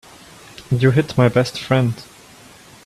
You hit my best friend.